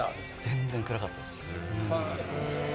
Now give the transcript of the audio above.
全然暗かったです。